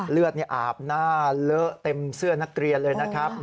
เลือดอาบหน้าเลอะเต็มเสื้อนักเรียนเลยนะครับ